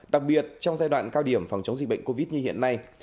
đặc biệt trong giai đoạn cao điểm phòng chống dịch bệnh covid như hiện nay